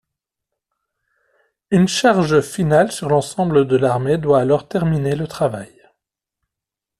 Une charge finale sur l'ensemble de l'armée doit alors terminer le travail.